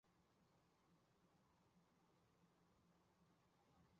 工人革命党是秘鲁的一个托洛茨基主义政党。